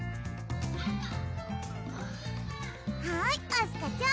はいあすかちゃん